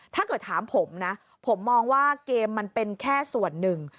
ถ้าเกิดถามผมนะผมมองว่าเกมมันเป็นแค่ส่วนหนึ่ง